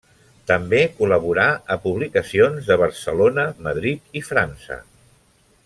També col·laborà a publicacions de Barcelona, Madrid i França.